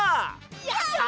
やった！